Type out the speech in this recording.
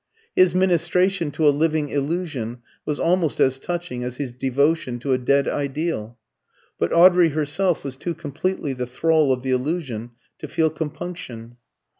His ministration to a living illusion was almost as touching as his devotion to a dead ideal. But Audrey herself was too completely the thrall of the illusion to feel compunction.